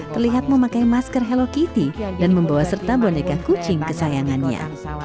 terlihat memakai masker hello kitty dan membawa serta boneka kucing kesayangannya